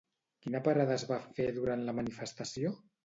Quina parada es va fer durant la manifestació?